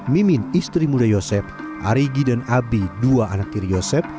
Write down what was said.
mimin istri muda yosep arigi dan abi dua anak kiri yosep